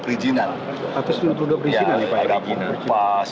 satu ratus lima puluh dua perizinan ya pak